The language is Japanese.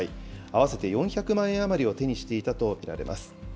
合わせて４００万円余りを手にしていたと見られます。